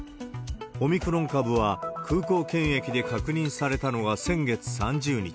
オミクロン株は空港検疫で確認されたのが先月３０日。